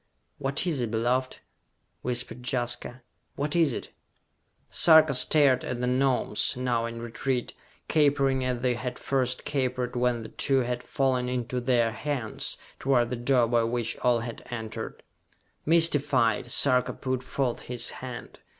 "What is it, beloved?" whispered Jaska. "What is it?" Sarka stared at the Gnomes, now in retreat, capering as they had first capered when the two had fallen into their hands, toward the door by which all had entered. Mystified, Sarka put forth his hand.